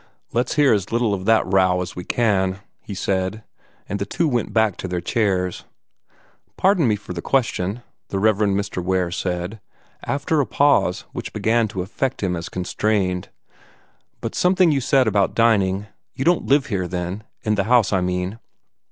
"Let's hear as little of the row as we can," he said, and the two went back to their chairs. "Pardon me for the question," the Rev. Mr. Ware said, after a pause which began to affect him as constrained, "but something you said about dining you don't live here, then? In the house, I mean?"